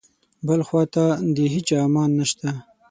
بل خواته د هیچا امان نشته.